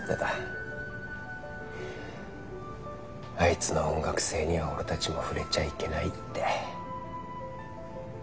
あいつの音楽性には俺たちも触れちゃいけないって。